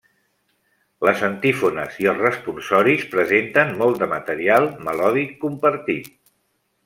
Les antífones i els responsoris presenten molt de material melòdic compartit.